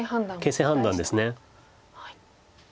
形勢判断です。